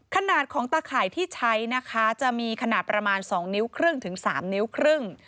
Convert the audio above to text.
ขนาดของตาข่ายที่ใช้นะคะจะมีขนาดประมาณ๒นิ้วครึ่งถึง๓นิ้วครึ่ง